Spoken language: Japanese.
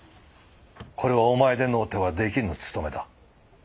これはお前でのうてはできぬ仕事だ。